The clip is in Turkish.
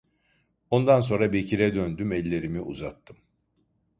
Ondan sonra Bekir'e döndüm, ellerimi uzattım.